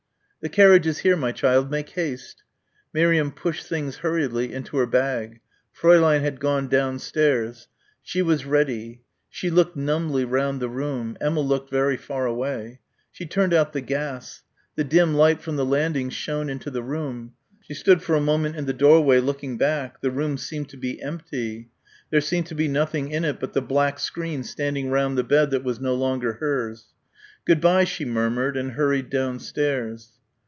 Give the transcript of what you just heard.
"The carriage is here, my child. Make haste." Miriam pushed things hurriedly into her bag. Fräulein had gone downstairs. She was ready. She looked numbly round the room. Emma looked very far away. She turned out the gas. The dim light from the landing shone into the room. She stood for a moment in the doorway looking back. The room seemed to be empty. There seemed to be nothing in it but the black screen standing round the bed that was no longer hers. "Good bye," she murmured and hurried downstairs.